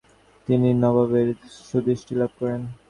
তিনি নবাবের সুদৃষ্টি লাভ করেন।